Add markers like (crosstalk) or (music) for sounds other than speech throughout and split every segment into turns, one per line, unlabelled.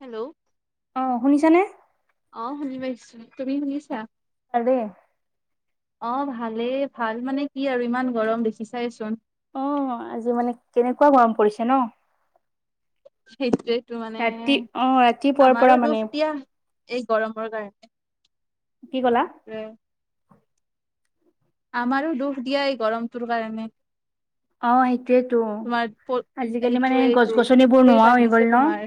Hello.
অ', শুনিছনে?
অ', শুনি পাইছো, তুমি শুনিছা?
ভালেই।
অ', ভালেই ভাল মানে কি আৰু ইমান গৰম দেখিচাইচোন।
অ', আজি মানে কেনেকুৱা গৰম পৰিছে ন!
সেইটোয়েটো মানে
ৰাতি অ ৰাতিপুৱাৰ
আমাৰো
পৰা মানে
দুখ দিয়া এই গৰমৰ কাৰণে।
কি ক'লা?
উম। আমাৰো দুখ দিয়া এই গৰমটোৰ কাৰণে।
অ', সেইটোয়েতো,
তোমাৰ
আজিকালি
এইটো
মানে গছ
এইটো
গছনিবোৰ
সেই
নোহোৱাও হৈ
বাঢ়িছে
গ'ল ন!
তোমাৰ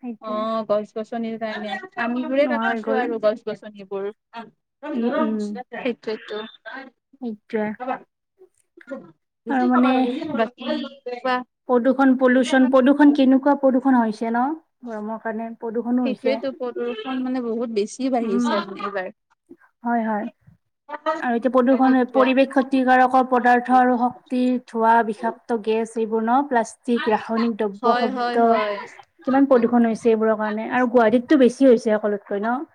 সেইটোয়ে
অ', গছ গছনিৰ কাৰণে আমিবোৰে
নোহোৱা হৈ
কাটিছো
গ'ল
আৰু গছ গছনিবোৰ
উম
গৰম সেইটোৱেটো।
সেইটোৱে।
বাকী কোৱা?
প্ৰদূষণ পলিউচন প্ৰদূষণ কেনেকুৱা প্ৰদুষণ হৈছে ন গৰমৰ কাৰণে। প্ৰদূষণো হৈছে
সেইটোৱেটো প্ৰদূষণ মানে বহুত বেছিয়ে
উম
বাঢ়িছে মানে এইবাৰ।
হয়, হয়, আৰু এতিয়া প্ৰদূষণ
সেইটোৱে
পৰিৱেশত ক্ষতি কাৰকৰ পদাৰ্থ আৰু শক্তি ধোৱা বিষাক্ত গেছ এইবোৰ ন প্লাষ্ট যি ৰাসায়নিক দ্ৰব্য
হয় হয়
শব্দ
হয়
কিমান প্ৰদূষণ হৈছে এইবোৰৰ কাৰণে আৰু গুৱাহাটীতটো বেছি হৈছে সকলোতকৈ ন!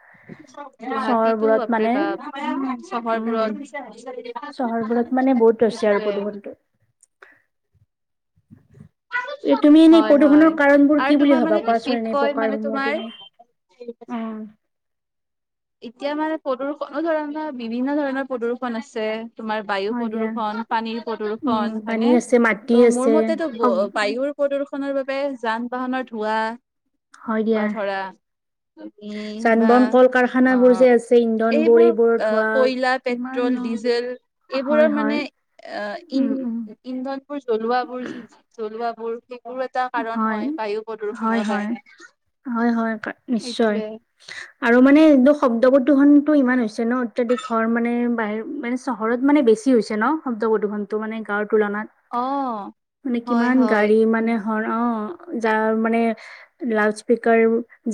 গুৱাহাটীতো
চহৰবোৰত
বাপৰে
মানে
বাপ উম
উম
চহৰবোৰত।
চহৰবোৰত মানে বহুত হৈছে আৰু
সেইটোৱে
প্ৰদূষণ। এ তুমি এনেই
হয়, হয়,
প্ৰদূষণৰ কাৰণবোৰ কি
আৰু
বুলি
তোমাৰ
ভাবা
মানে
কোৱাচোন এনে
বিশেষকৈ মানে
প্ৰকাৰসমূহ
তোমাৰ
তুমি উম
এতিয়া মানে প্ৰদূ্ষণো ধৰা বিভিন্ন ধৰণৰ প্ৰদূ্ষণ আছে। তোমাৰ বায়ু
হয় দিয়া
প্ৰদূষণ, পানীৰ
উম
প্ৰদূ্ষণ
পানী
হয়নে,
আছে মাটি
ত' মোৰ
আছে
মতেতো বায়ুৰ প্ৰদূষণৰ বাবে যান বাহনৰ ধোঁৱা।
হয় দিয়া
বা ধৰা উম
যান
বা
বাহন কল কাৰখানাবোৰ যে
অ',
আছে ইন্ধন বোৰ
এইবোৰ অ'
ধোৱা
কয়লা,
কিমান
পেট্ৰল,
ন
ডিজেল
হয়
এইবোৰৰ মানে
হয়
অ',
উম উম
ইন্ধ-ইন্ধনবোৰ জ্বলোৱাবোৰ যে জ্বলোৱাবোৰ সেইবোৰ এটা কাৰণ হয় বায়ু
হয়
প্ৰদূ্ষণৰ
হয়
কাৰণে
হয় হয় নিশ্চয়
সেইটোৱে।
আৰু মানে এইটো শব্দ প্ৰদূষণটো ইমান হৈছে ন, অত্যাধিক মানে ঘৰ মানে বাহিৰ মানে চহৰত মানে বেছি হৈছে ন, শব্দ প্ৰদূষণটো মানে গাঁৱৰ তুলনাত।
অ
মানে
হয়
কিমান
হয়
গাড়ী মানে হয়, অঁ যাৰ মানে লাউড স্পীকাৰ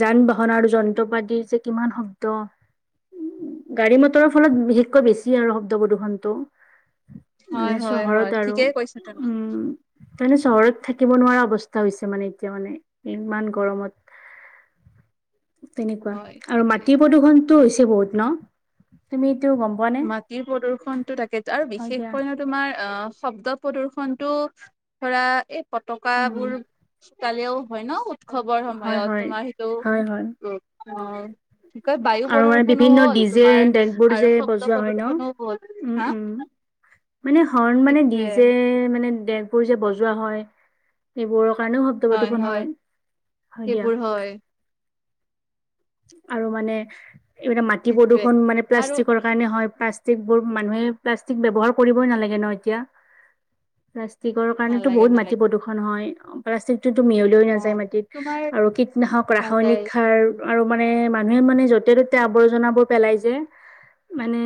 যান বাহন আৰু যন্ত্ৰ পতিৰ যে কিমান শব্দ। উম, গাড়ী মটৰৰ ফলত বিশেষকৈ বেছি আৰু শব্দ প্ৰদূৰ্ষনটো।
হয়
মানে
হয় হয়
চহৰত আৰু
ঠিকেই কৈছা তুমি
উম তাৰমানে চহৰত থাকিব নোৱাৰা অৱস্থা হৈছে মানে এতিয়া মানে ইমান গৰমত। তেনেকুৱা
হয়
আৰু
তাকে
মাটিৰ প্ৰদূৰ্ষণটো হৈছে বহুত ন, তুমি এইটো গম পোৱা? নে
মাটিৰ প্ৰদূষনটো তাকেইটো আৰু
হয় দিয়া।
বিশেষকৈ তোমাৰ অ শব্দ প্ৰদৰ্শনটো ধৰা এই ফটকা
উম,
বোৰ পালেও হয় ন, উৎসৱৰ
হয়,
সময়ত
হয়,
তোমাৰ সেইটো
হয়, হয়।
উম কি কয় বায়ু
আৰু মানে
প্ৰদূ্ষনো হ'ল তোমাৰ আৰু শ
যোৱা হয় ন উম উম মানে হৰণ মানে
সেইটোয়ে
দিজে মানে দেকবোৰ যে বজোৱা হয় সেইবোৰৰ কাৰণেও ব্দ প্ৰদূষণ হয়, হয় দিয়া।
সেইবোৰ হয়।
আৰু মানে এইবিলাক মাটি
সেইটোয়ে
প্ৰদূষণ মানে
আৰু
প্লাষ্টিকৰ কাৰণে হয়, প্লাষ্টিকবোৰ মানুহে প্লাষ্টিক ব্যৱহাৰ কৰিবই নালাগে ন এতিয়া। প্লাষ্টিকৰ কাৰণেটো
নালাগে
বহুত মাটি
নালাগে
প্ৰদূষণ হয়, প্লাষ্টিকটোতো মিহলি লৈ নাযায়,
অ',
মাটি
তোমাৰ
আৰু কীটনাশক
নাযায়
ৰাসায়নিক সাৰ আৰু মানে মানুহে মানে য'তে ত'তে আৱৰ্জনাবোৰ পেলাই যে মানে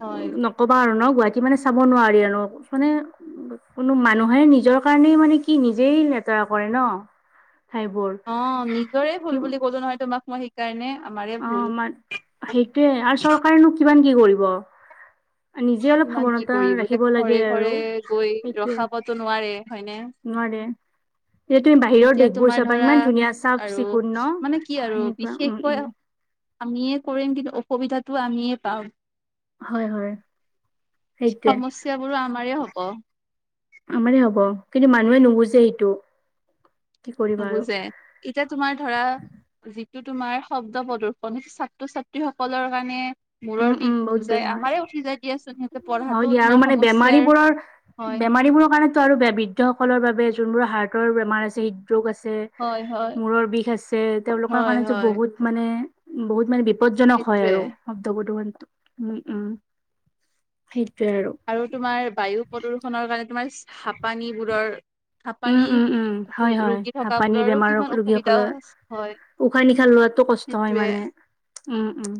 হয়।
ক'বা আৰু ন গুৱাহাটী মানে চাব নোৱাৰি আৰু মানে কোনো মানুহে নিজৰ কাৰণেই মানে কি নিজেই লেতেৰা কৰে ন। ঠাইবোৰ।
অঁ নিজৰে
কি
ভুল বুলি কলো নহয় তোমাক মই সেইকাৰণে আমাৰে
অঁ
ভুল
মান সেইটোৱে আৰু চৰকাৰেনো কিমান কি কৰিব নিজে অলপ
ইমান কি
সাৱধানতা
কৰিব
ৰাখিব
এতিয়া ঘৰে
লাগে
ঘৰে
আৰু
গৈ
সেইটোৱে।
ৰখাবতো হয়নে
নোৱাৰে। সেইটোৱে বাহিৰৰ
এতিয়া
দেশবোৰ
তোমাৰ
চাবা
ধৰা
ইমান ধুনীয়া চাফ
আৰু
চিকুণ ন
মানে কি
অ
আৰু
সেনেকুৱা উম
বিশেষকৈ
উম।
আমিয়ে কৰিম কিন্তু অসুবিধাটো আমিয়ে পাও।
হয় হয়। সেইটোৱে
সমস্যাবোৰো আমাৰে হব।
আমাৰে হ'ব কিন্তু মানুহে নুবুজে সেইটো। কি কৰিবা আৰু
নুবুজে এতিয়া তোমাৰ ধৰা যিটো তোমাৰ শব্দ প্ৰদূষণ ছাত্ৰ ছাত্ৰী সকলৰ কাৰণে
উম
মূৰৰ বিষ
উম বহুত
উঠি যায়,
বেয়া হয়
আমাৰে উঠি যায় দিয়াচোন সিহঁতে
হয়
পঢ়াটো
দিয়া আৰু
তোমাৰ
মানে
সমস্যা
বেমাৰীবোৰৰ বেমাৰীবোৰৰ কাৰণেটো আৰু বেয়া, বৃদ্ধ সকলৰ বাবে যোনবোৰ হাৰ্টৰ বেমাৰ আছে, হৃদৰোগ আছে।
হয় হয়
মূৰৰ বিষ আছে তেওঁলোকৰ
হয়
কাৰণতো
হয়
বহুত মানে বহুত মানে বিপদজনক হয়
সেইটোৱে
আৰু। শব্দ প্ৰদুষনিত উম উম সেইটোৱে আৰু।
আৰু তোমাৰ বায়ু প্ৰদূৰষনৰ কাৰণে তোমাৰ হাঁপানীবোৰৰ
উম
হাঁপানী
উম উম হয় হয়
ৰোগী থকা
হাঁপানি
বোৰৰো
বেমাৰৰ
কিমান অসুবিধা
ৰোগীসকলৰ
হয়।
উশাহ নিশাহ লোৱাটো কষ্ট হয়
সেইটোৱে
মানে। উম উম।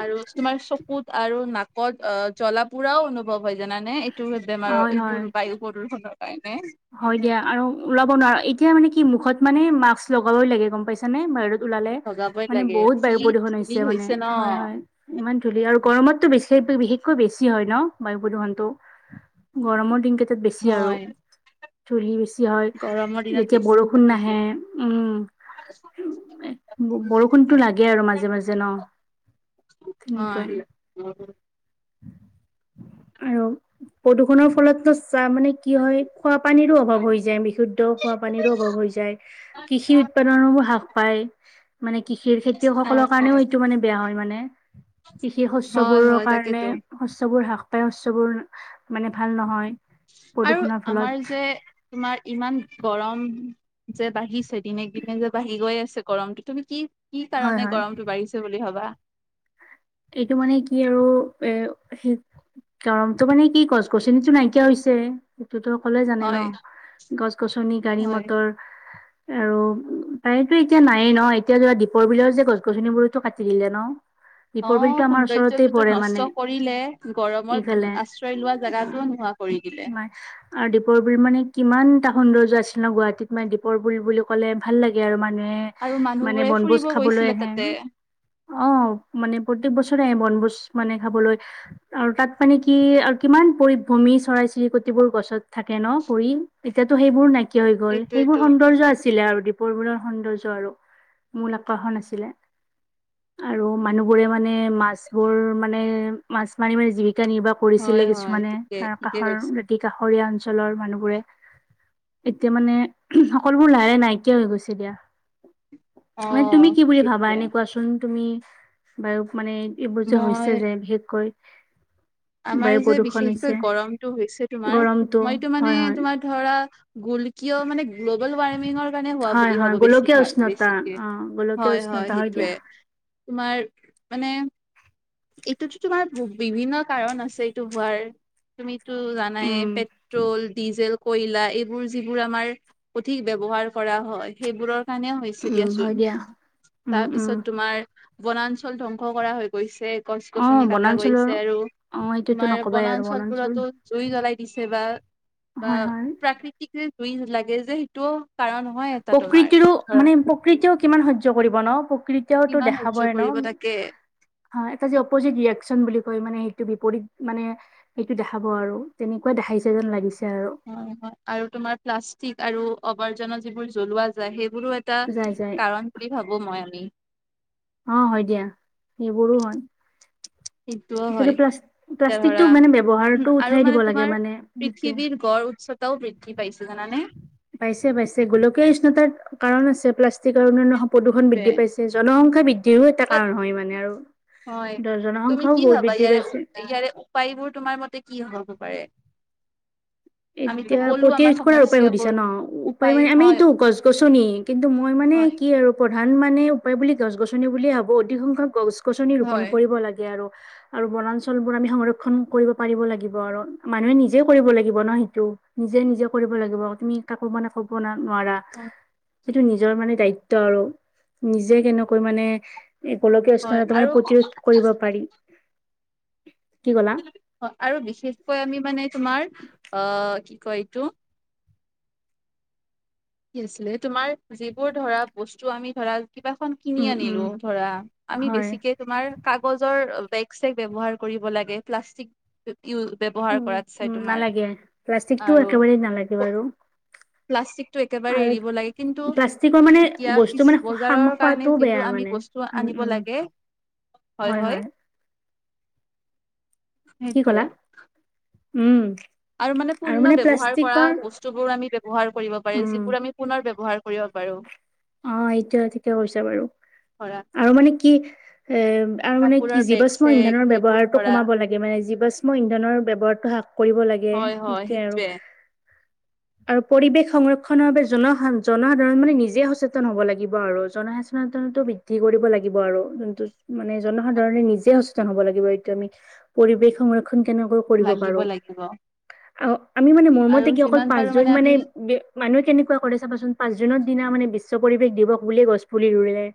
আৰু তোমাৰ চকুত আৰু নাকত অ জ্বলা পোৰাও অনুভৱ হয় জানানে এইটো বেমাৰৰ
হয় হয়
এইবোৰ বায়ু প্ৰদূষণৰ কাৰণে
হয় দিয়া আৰু ওলাব নোৱাৰো এতিয়া মানে কি মুখত মানে মাস্ক লগাবই লাগে গম পাইছা নে বাৰু ওলালে
ভগাবই
মানে,
লাগে
বহুত বায়ু
যি
প্ৰদূষণ
ধূলি
হৈছে মানে,
ন
হয় হয়। ইমান ধূলি আৰু গৰমতটো বেছি বিশেষকৈ বেছি হয় ন বায়ু প্ৰদূষণটো। গৰমৰ দিন কেইটাত বেছি আৰু।
হয়
ধুলি বেছি হয়
গৰমৰ দিনত
যেতিয়া
বেছি
বৰষুণ
তাকেতো
নাহে উম। বৰষুণতো লাগে আৰু মাজে মাজে ন। তেনেকুৱা
(unintelligible)
আৰু প্ৰদূষণৰ ফলত টো চা মানে কি হয় খোৱা পানীৰো অভাৱ হৈ যায় বি শুদ্ধ খোৱা পানীৰো অভাৱ হৈ যায়, কৃষি উৎপাদনৰো হ্ৰাস পায়। মানে কৃষিৰ খেতিয়কসকলৰ
হয় হয়
কাৰণেও এইটো মানে বেয়া হয় মানে। কৃষি
হয়
শস্যবোৰৰ
হয়
কাৰণে
তাকেতো
শস্যবোৰ হ্ৰাস পাই, শস্যবোৰ মানে ভাল নহয়।
আৰু
প্ৰদূষণৰ ফলত
আমাৰ যে তোমাৰ ইমান গৰম যে বাঢ়িছে দিনে দিনে যে বাঢ়ি গৈ আছে গৰমটো তুমি কি কি
হয়
কাৰণে
হয়
গৰমটো বাঢ়িছে বুলি ভাবা?
এইটো মানে কি আৰু এ কাৰনটো মানে কি গছ গছনিটো নাইকিয়া হৈছে। সেইটোতো সকলোৱে জানে ন,
হয়
গছ গছনি গাড়ী
হয়
মটৰ আৰু প্ৰায়েটো এতিয়া নায়েই ন, এতিয়া কিবা দীপৰ বিলৰ যে গছ গছনিবোৰতো কাটি দিলে ন। দীপৰ
অ',
বিলটো আমাৰ ওচৰতে
সৌন্দৰ্য্যটোতো
পৰে মানে
নষ্ট কৰিলেই, গৰমত
ইফালে
আশ্ৰয় লোৱা জেগাটোও নোহোৱা কৰি দিলে।
তোমাৰ আৰু দীপৰ বিল মানে কিমান এটা সৌন্দৰ্য্য আছিল ন, গুৱাহাটীত মানে দীপৰ বিল বুলি ক'লে ভাল লাগে আৰু মানুহে
আৰু
মানে
মানুহবোৰে ফুৰিব
বনভোজ খাবলৈ
গৈছিলে
আহে।
তাতে
অ মানে প্ৰত্যেক বছৰে আহে বনভোজ মানে খাবলৈ। আৰু তাত মানে কি আৰু কিমান পৰিভ্ৰমী চৰাই চিৰিকটিবোৰ গছত থাকে ন পৰি। এতিয়াতো সেইবোৰো নাইকিয়া হৈ গ'ল, সেইবোৰ
সেইটোৱেতো
সৌন্দৰ্য্য আছিলে আৰু দীপ (unintelligible) বিলৰ সৌন্দৰ্য্য আৰু মূল আকৰ্ষণ আছিলে আৰু মানুহবোৰে মানে মাছ বোৰ মানে, মাছ মাৰি মাৰি জীৱিকা নিৰ্বাহ
হয়
কৰিছিলে
হয়
কিছুমানে
ঠিকে
এ
ঠিকে
কাষৰ
কৈছা
দাতি কাষৰীয়া অঞ্চলৰ মানুহবোৰে এতিয়া মানে সকলোবোৰ লাহে নাইকিয়া হৈ গৈছে দিয়া।
অ
মানে তুমি কি বুলি ভাবা
সেইটোৱে
এনে কোৱাচোন তুমি বাৰু মানে এইবোৰ যে হৈছে
মই
যে বিশেষকৈ
আমাৰ
বায়ু
যে
প্ৰদূষণ
বিশেষকৈ
হৈছে
গৰমটো হৈছে তোমাৰ
গৰমটো
মইতো মানে
হয় হয়
তোমাৰ ধৰা গোলকিয় মানে গ্ল'বেল ৱাৰ্মিঙৰ কাৰণে হোৱা
হয়
বুলি
হয়
ভাবো
গোলকীয়
বেছিভাগ,
উষ্ণতা
বেছিকে
অ গোলকীয়
হয়
উষ্ণতা
হয়
দিয়া
সেইটোৱে। তোমাৰ মানে এইটোতো তোমাৰ বিভিন্ন কাৰণ আছে এইটো হোৱাৰ তুমি টো জানাই
উম
পেট্ৰল ডিজেল, কয়লা এইবোৰ যিবোৰ আমাৰ সঠিক ব্যৱহাৰ কৰা হয় সেইবোৰৰ কাৰণে হৈছে
উম হয়
দিয়াচোন,
দিয়া উম উম
তাৰপিছত তোমাৰ বনাঞ্চল ধ্বংস কৰা হৈ গৈছে। গছ
অ
গছনি কটা
বনাঞ্চলৰ
গেছে আৰু
অ এইটোতো
তোমাৰ
নকবাই আৰু বনাঞ্চল
বনাঞ্চলবোৰতো জুই জ্বলাই দিছে বা-বা
হয় হয়
প্ৰাকৃতিক (unintelligible) জুই লাগে যে সেইটোও কাৰণ হয় এটা তোমাৰ
প্ৰকৃতিৰো
ধৰা
মানে, প্ৰকৃতিও কিমান সহ্য কৰিব ন, প্ৰকৃতি তেওঁতো
কিমান সহ্য
দেখাবই ন।
কৰিব তাকে।
অহ, এটা যে অপজিট ৰিয়েকচন বুলি কয় মানে, এটো বিপৰীত মানে এইটো দেখাব আৰু তেনেকুৱা দেখাইছে যেন লাগিছে আৰু।
হয়, হয় আৰু তোমাৰ প্লাষ্টিক আৰু আৱৰ্জনা যিবোৰ জ্বলোৱা যায় সেইবোৰো একো
যাই
টা
যাই
কাৰণ বুলি ভাবো মই, আমি!
অ', হয় দিয়া। সেইবোৰো হয়।
সেইটোও হয়
একেবাৰে
এতিয়া ধৰা
প্লা-প্লাষ্টিকটো মানে ব্যৱহাৰ
উম
টো
আৰু
উঠাই
মানে
দিব
তোমাৰ
লাগে মানে? সেইটোৱে
পৃথিৱীৰ গড় উচ্চতাও বৃদ্ধি পাইছে জানানে?
পাইছে, পাইছে গোলকীয় উষ্ণতাৰ কাৰণ আছে, প্লাষ্টিক আৰু অনন্য প্ৰদূষণ
সেইটোৱে
বৃদ্ধি পাইছে। জনসংখ্যা বৃদ্ধিৰো এটা
বাট
কাৰণ হয় মানে আৰু।
হয়। তুমি
জনসংখ্যাও
কি
বহুত
ভাবা
বৃদ্ধি
ইয়াৰে উ,
পাইছে
ইয়াৰে উপায়বোৰ তোমাৰ মতে কি হব পাৰে। আমিতো
এতিয়া
ক'লো আমাৰ
প্ৰতিৰোধ কৰাৰ উপায়
সমস্যাবোৰ
সুধিছা ন। উপায় মানে আমিটো গছ-গছনি, কিন্তু মই মানে
হয়
কি আৰু প্ৰধান মানে উপায় বুলি গছ গছনি বুলিয়ে ভাবো, অধিক সংখ্যক গছ-গছনি ৰোপন
হয়
কৰিব লাগে আৰু। আৰু বনাঞ্চল বোৰ আমি সংৰক্ষণ কৰিব পাৰিব লাগিব আৰু মানুহে নিজেও কৰিব লাগিব। বন সেইটো নিজে, নিজে কৰিব লাগিব। তুমি কাকো মানে ক'ব নোৱাৰা। সেইটো নিজৰ মানে দায়িত্ব আৰু নিজে কেনেকৈ মানে এই গোলকীয়
হয়
উষ্ণতা মানে
আৰু
প্ৰতিৰোধ কৰিব পাৰি, কি ক'লা?
হয় আৰু বিশেষকৈ আমি মানে তোমাৰ অ' কি কয় এইটো কি আছিলে, তোমাৰ যিবোৰ ধৰা বস্তু আমি ধৰা কিতাপখন কিনি
উম উম
আনিলো ধৰা আমি
হয়
বেছিকে তোমাৰ কাগজৰ বেগ-চেগ ব্যৱহাৰ কৰিব লাগে, প্লাষ্টিক ব্য ইউ, ব্যৱহাৰ
উম
কৰাত চাই
উম
তোমাৰ,
নালাগে প্লাষ্টিকটো
আৰু
একেবাৰেই নালাগে বাৰু?
প্লাষ্টিকটো একেবাৰে
আৰু
এৰিব লাগে। কিন্তু
প্লাষ্টিকৰ মানে
এতিয়া
বস্তু
কি
মানে
বজাৰৰ কাৰণে
খোৱাটোও বেয়া
যিহেতু আমি
মানে
বস্তু স্তু
উম
আনিব
উম
লাগে
হয়, হয়। কি
সেইটোয়ে
ক'লা, উম।
আৰু মানে পুণ্য ব্যৱহাৰ কৰা বস্তু বোৰ আমি ব্যৱহাৰ কৰিব পাৰে,
উম
যিবোৰ আমি পুনৰ ব্যৱহাৰ কৰিব পাৰো।
অ', এইটোৱে ঠিকে কৈছে বাৰু,
ধৰা
আৰু মানে কি এ আৰু মানে কি
কাপোৰৰ বেগ
জীৱাশ্ম
চেগ
ইন্ধনৰ
সেইবোৰ
ব্যৱহাৰটো
ধৰা
কমাব লাগে মানে, জীৱাশ্ম ইন্ধনৰ ব্যৱহাৰটো হ্ৰাস কৰিব লাগে।
হয় হয়, সেইটোৱে।
আৰু পৰিৱেশ সংৰক্ষনৰ বাবে জনসা, জনসাধাৰণ মানে নিজে সচেতন সচেতন হ'ব লাগিব আৰু, জনসচেতনটো বৃদ্ধি কৰিব লাগিব আৰু যোনটো মানে জনসাধাৰণে নিজে সচে তন হ'ব লাগিব এইটো আমি। পৰিৱেশ সংৰক্ষণ কেনেকৈ
লাগিব, লাগিব।
আৰু আমি মানে,
আৰু
মোৰমতে কি অকল
যিমান পাৰো
পাঁচজন
আমি
মানে মানুহে কেনেকুৱা কৰে চাবাচোন, পাঁচ জুনৰ দিনা মানে বিশ্ব পৰিৱেশ দিৱস বুলিয়ে গছ পুলি ৰুলে,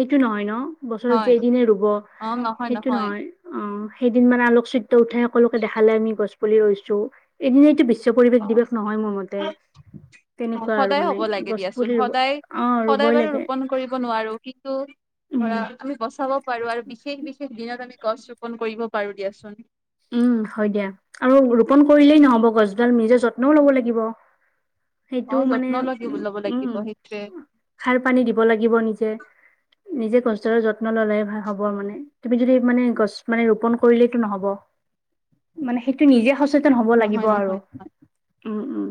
সেইটো নহয় ন। বছৰত
হয়
যে এদিনে ৰুব
অ নহয়
সেইটো নহয়। অ' সেইদিন মানে আলোক চিত্ৰ উঠে সকলোকে দেখালে, আমি গছ পুলি ৰৈছো পৰিৱেশ নিবেশ নহয় মোৰ মতে, তেনেকুৱা আৰু
সদায় হ'ব
মানে
লাগে
গছ
দিয়াচোন
পুলি ৰুব।
সদায়
অ
সদায়
ৰুবই
বাৰু
লাগে
ৰোপন কৰিব নোৱাৰো, কিন্তু
উম
ধৰা আমি বচাব পাৰো আৰু বিশেষ, বিশেষ দিনত আমি গছ ৰোপন কৰিব পাৰো দিয়াচোন।
উম, হয় দিয়া। আৰু ৰোপন কৰিলেই নহ'ব গছডাল নিজে যত্নও ল'ব লাগিব। সেইটো
অ
মানে
যত্ন লাগিব ল'ব
উ উম,
লাগিব সেইটোৱে
সাৰ পানী দিব লাগিব নিজে নিজে কষ্টৰে যত্ন ললে ভাল হব মানে! তুমি যদি মানে গছ মানে ৰোপন কৰিলেইতো নহব! মানে সেইটো নিজে সচেতন হ'ব লাগিব
নহয়
আৰু,
নহয় নহয়
উম, উম।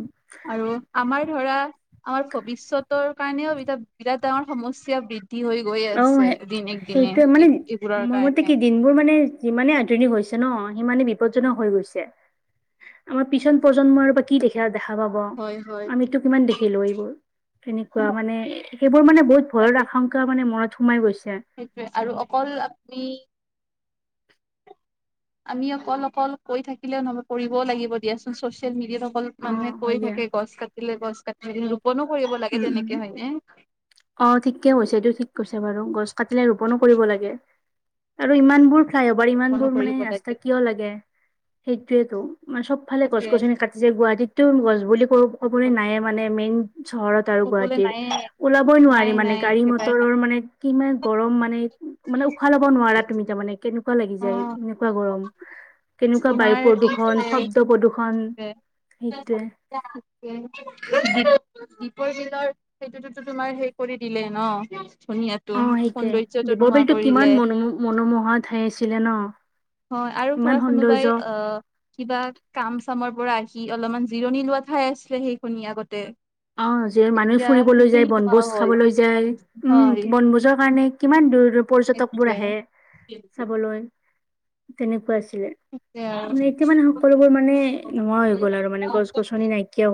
আৰু আমাৰ ধৰা আমাৰ ভৱিষ্যতৰ কাৰণেও এতিয়া বিৰাট ডাঙৰ সমস্যা বৃদ্ধি হৈ গৈ
অ
আছে দিনক দিনে,
সেইটোৱে মানে
এইবোৰৰ
মোৰ মতে কি
কাৰণে।
দিনবোৰ মানে যিমানে আধুনিক হৈছে ন, সিমানে বিপদজনক হৈ গৈছে। আমাৰ পিছন প্ৰজন্মৰ পৰা কি দেখা দেখা পাব,
হয় হয়
আমিতো কিমান দেখিলো এইবোৰ! তেনেকুৱা মানে, সেইবোৰ মানে বহুত
তাকে
ভয়ৰ আশংকা মানে মনত সোমাই গৈছে।
সেইটোৱে, আৰু অকল আপুনি আমি অকল অকল কৈ থাকিলেও নহব, কৰিবও লাগিব দিয়াচোন চচিয়েল মিডিয়াত অকল
অ
মানুহে কৈ
হয় দিয়া
থাকে, গছ কাটিলে গছ কাটি ৰোপনো কৰিব লাগে
উম উম
তেনেকে হয় নে?
অ, থিকে কৈছে, এইটো থিক কৈছে বাৰু, গছ কাটিলে ৰোপনো কৰিব লাগে। আৰু ইমানবোৰ চা এবাৰ, ইমান
ৰোপনো
বোৰ মানে
কৰিব
ৰাস্তা
লাগে
কিয় লাগে, সেইটোযৱেতো, মানে চব ফালে গছ
তাকে
গছনি কাত যে গুৱাহাটীততো গছ বুলি কব, ক'বলৈ নায়ে মানে মেইন চহৰত।
কবলৈ নায়ে
বই
নাই
নোৱাৰি মানে,
নাই
গাড়ী
একেবাৰে নাই
মটৰৰ মানে কিমান গৰম মানে মানে উশাহ ল'ব নোৱাৰা তুমি তাৰমানে, কেনেকুৱা লাগি
অ
যায়, এনেকুৱা গৰম! কেনেকুৱা বায়ু
তোমাৰ
প্ৰদূৰ্ষন, শব্দ প্ৰদূৰ্ষন, সেইটোৱে।
দীপৰ বিলৰ সেইটোতো তোমাৰ হেই কৰি দিলেই ন, শুনি আছ
অ', সেইটোৱে। দীপৰ বিলটো কিমান মনো মনোমোহা ঠাই আছিলে ন?
অ, আৰু ধৰা
ইমান
কোনোবাই
সৌন্দৰ্য
অ' কিবা কাম চামৰ পৰা আহি অলপমান জিৰণি লোৱা ঠাই আছিলে সেইখনিৱে, আগতে।
অ', যে মানুহ
এতিয়া
ফুৰিবলৈ যায়,
সেইখিনি নোহোৱা
বনভোজ
হ'ল
খাবলৈ যায় উম,
হয়
বনভোজৰ কাৰণে কিমান দূৰ দূৰ পৰ্যটকবোৰ
সেইটোৱে
আহে চাবলৈ, তেনেকুৱা আছিলে।
সেইটোৱে
এতিয়া মানে
আৰু
সকলোবোৰ মানে নোহোৱা হৈ গ'ল আৰু মানে, গছ গছনি নাইক